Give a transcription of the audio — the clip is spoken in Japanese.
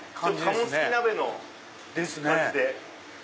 鴨すき鍋の感じで。